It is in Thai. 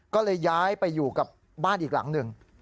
ก็เลยย้ายไปอยู่กับบ้านอีกหลังหนึ่ง